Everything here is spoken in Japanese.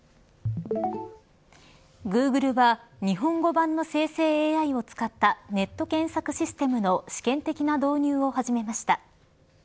グーグルは日本語版の生成ＡＩを使ったネット検索システムの試験的な導入を始めました。